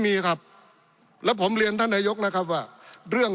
ปี๑เกณฑ์ทหารแสน๒